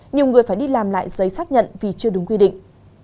nhiều người phải đi làm lại giấy xác nhận vì chưa đúng quy định